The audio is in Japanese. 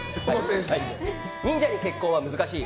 「忍者に結婚は難しい」